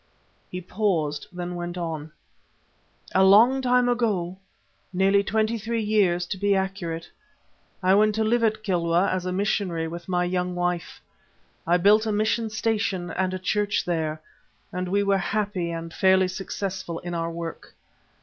He paused, then went on: "A long while ago, nearly twenty three years to be accurate, I went to live at Kilwa as a missionary with my young wife. I built a mission station and a church there, and we were happy and fairly successful in our work.